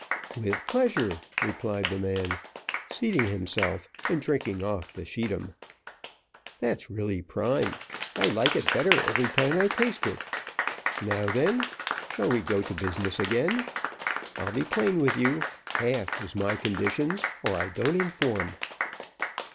"With pleasure," replied the man, re seating himself, and drinking off the scheedam. "That's really prime; I like it better every time I taste it. Now, then, shall we go to business again? I'll be plain with you. Half is my conditions, or I don't inform."